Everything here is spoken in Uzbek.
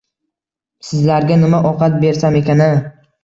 Sizlarga nima ovqat qibersam ekan a...